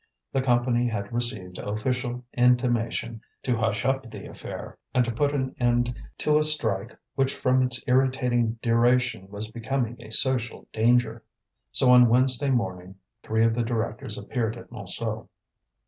The Company had received official intimation to hush up the affair, and to put an end to a strike which from its irritating duration was becoming a social danger. So on Wednesday morning three of the directors appeared at Montsou.